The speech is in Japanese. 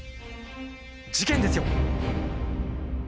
事件ですよ。